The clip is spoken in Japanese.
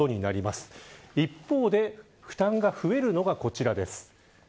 一方で、負担が増えるのがこちらです。